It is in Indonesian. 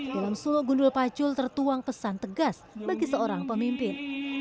dalam suluk gundul pacul tertuang pesan tegas bagi seorang pemimpin